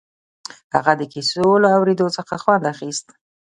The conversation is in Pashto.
هغه د کيسو له اورېدو څخه خوند اخيست.